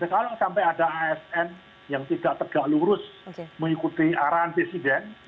kalau sampai ada asn yang tidak tegak lurus mengikuti arahan presiden